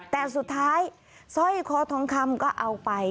แต่สุดท้ายสร้อยคอทองคำก็เอาไป